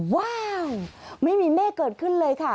ว้าวไม่มีเมฆเกิดขึ้นเลยค่ะ